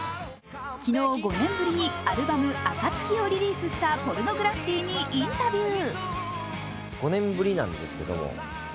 昨日５年ぶりにアルバム「暁」をリリースしたポルノグラフィティにインタビュー。